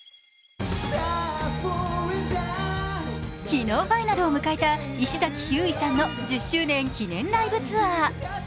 昨日ファイナルを迎えた石崎ひゅーいさんの１０周年記念ライブツアー。